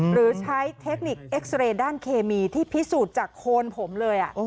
หรือใช้เทคนิคเอ็กซ์เรย์ด้านเคมีที่พิสูจน์จากโคนผมเลย